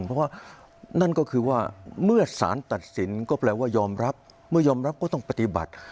เพราะว่านั่นก็คือว่าเมื่อสารตัดสินก็แปลว่ายอมรับเมื่อยอมรับก็ต้องปฏิบัติ